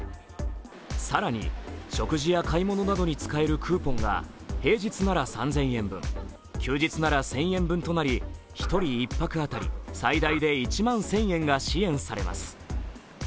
更に食事や買い物などに使えるクーポンが平日なら３０００円分、休日なら１０００円分となり、１人１泊当たり最大で１万１０００円が支援されます。